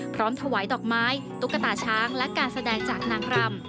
พร้อมถวายดอกไม้ตุ๊กตาช้างและการแสดงจากนางรำ